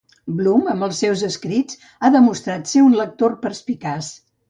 Bloom, amb els seus escrits, ha demostrat ser un lector perspicaç.